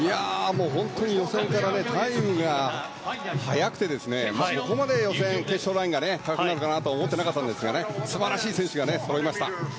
本当に予選からタイムが速くてここまで予選、決勝ラインが高くなると思ってなかったんですが素晴らしい選手がそろいました。